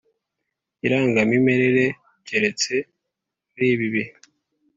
irangamimerere keretse muri ibi bihe